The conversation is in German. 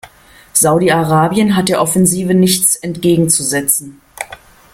Saudi-Arabien hat der Offensive nichts entgegenzusetzen.